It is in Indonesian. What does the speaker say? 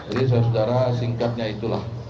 jadi saudara saudara singkatnya itulah